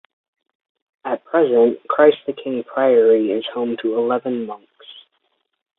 At present, Christ the King Priory is home to eleven monks.